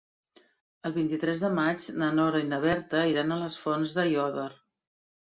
El vint-i-tres de maig na Nora i na Berta iran a les Fonts d'Aiòder.